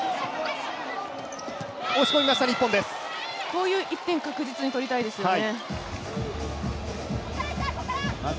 こういう１点、確実に取りたいですよね。